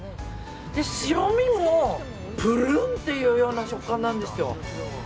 白身もプルン！っていうような食感なんですよ。